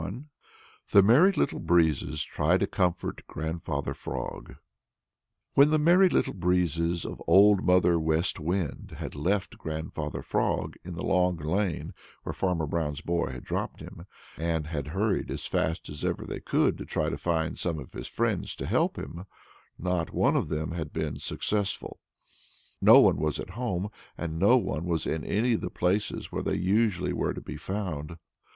XXI THE MERRY LITTLE BREEZES TRY TO COMFORT GRANDFATHER FROG When the Merry Little Breezes of Old Mother West Wind had left Grandfather Frog in the Long Lane where Farmer Brown's boy had dropped him, and had hurried as fast as ever they could to try to find some of his friends to help him, not one of them had been successful. No one was at home, and no one was in any of the places where they usually were to be found.